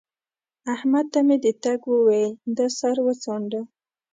احمد ته مې د تګ وويل؛ ده سر وڅانډه